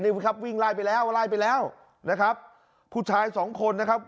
นี่ครับวิ่งไล่ไปแล้วไล่ไปแล้วนะครับผู้ชายสองคนนะครับ